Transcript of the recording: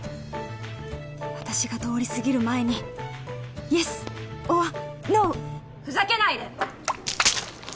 私が通り過ぎる前にイエスオアノーふざけないで！